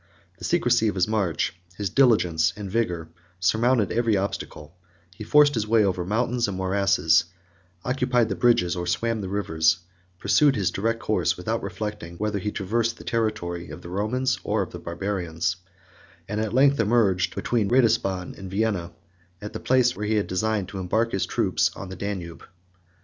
The secrecy of his march, his diligence, and vigor, surmounted every obstacle; he forced his way over mountains and morasses, occupied the bridges or swam the rivers, pursued his direct course, 30 without reflecting whether he traversed the territory of the Romans or of the Barbarians, and at length emerged, between Ratisbon and Vienna, at the place where he designed to embark his troops on the Danube.